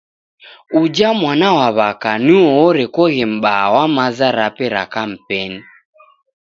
Uja mwanaw'aka nuo orekoghe mbaa wa maza rape ra kampeni.